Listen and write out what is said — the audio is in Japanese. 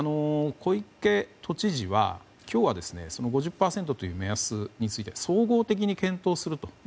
小池都知事は今日は５０％という目安について総合的に検討すると。